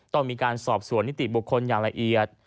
ต้องมีการสอบสวนนิติบุคคลอย่างละเอียด